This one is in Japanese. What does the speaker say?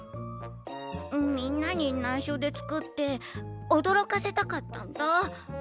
みんなにないしょでつくっておどろかせたかったんだ。